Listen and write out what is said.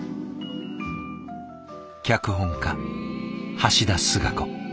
脚本家橋田壽賀子。